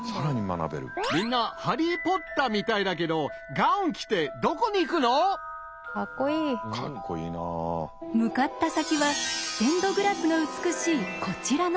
みんな「ハリー・ポッター」みたいだけど向かった先はステンドグラスが美しいこちらの建物。